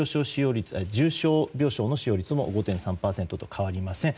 重症病床の使用率も５．３％と変わりません。